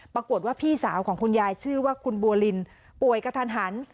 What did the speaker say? ปรากฏว่าพี่สาวของคุณยายชื่อว่าคุณบัวลินป่วยกระทันหัน